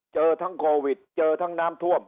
เจอทั้งโควิดเจอทั้งน้ำท่วม